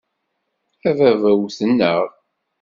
A baba wten-aɣ.